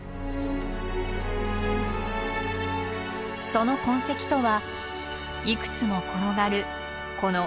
その痕跡とはいくつも転がるこの大きな岩。